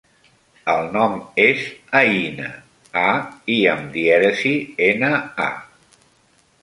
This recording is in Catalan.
El nom és Aïna: a, i amb dièresi, ena, a.